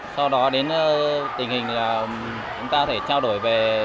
sau đó đến tình hình là chúng ta có thể trao đổi về